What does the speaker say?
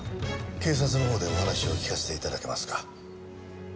警察のほうでお話を聞かせて頂けますか？